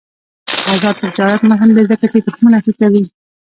آزاد تجارت مهم دی ځکه چې تخمونه ښه کوي.